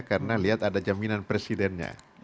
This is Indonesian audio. karena lihat ada jaminan presidennya